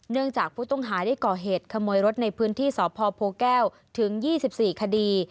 จากผู้ต้องหาได้ก่อเหตุขโมยรถในพื้นที่สพโพแก้วถึง๒๔คดี